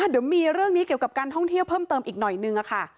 เดี๋ยวมีเรื่องนี้เกี่ยวกับการท่องเที่ยวเพิ่มเติมอีกหน่อยนึงค่ะ